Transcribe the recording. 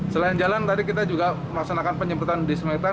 selain jalan tadi kita juga memaksanakan penyemprotan disinfektan